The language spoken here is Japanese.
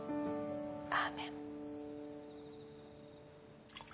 アーメン。